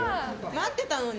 待ってたのに。